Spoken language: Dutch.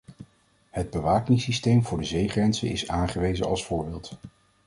Het bewakingssysteem voor de zeegrenzen is aangewezen als voorbeeld.